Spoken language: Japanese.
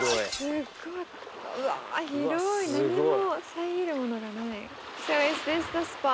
すごい。何も遮るものがない。